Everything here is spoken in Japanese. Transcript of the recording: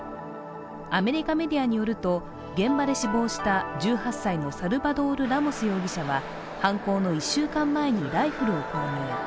アメリカメディアによると現場で死亡した１８歳のサルバドール・ラモス容疑者は犯行の１週間前にライフルを購入。